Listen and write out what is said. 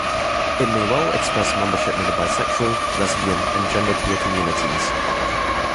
It may well express membership in the bisexual, lesbian and genderqueer communities.